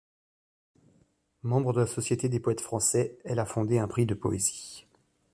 Membre de la Société des poètes français, elle a fondé un prix de Poésie.